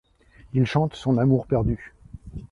Il chante son amour perdu.